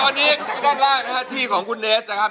ตอนนี้ด้านล่างที่ของคุณแนนซนะครับ